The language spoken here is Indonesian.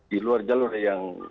di luar jalur yang